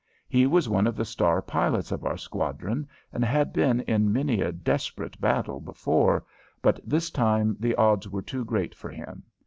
He was one of the star pilots of our squadron and had been in many a desperate battle before, but this time the odds were too great for him.